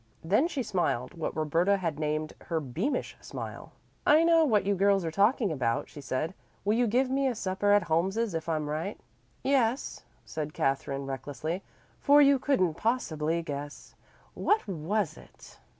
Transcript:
Then she smiled what Roberta had named her "beamish" smile. "I know what you girls are talking about," she said. "Will you give me a supper at Holmes's if I'm right?" "Yes," said Katherine recklessly, "for you couldn't possibly guess. What was it?"